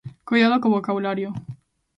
¡Coidado co vocabulario!